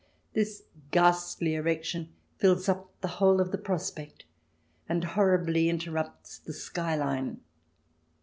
This ghastly erection fills up the whole of the prospect and horribly interrupts the sky line.